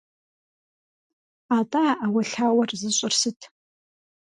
АтӀэ а Ӏэуэлъауэр зыщӀыр сыт?